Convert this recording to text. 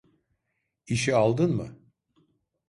İşi aldın mı?